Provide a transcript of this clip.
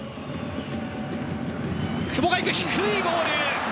久保がいく、低いボール。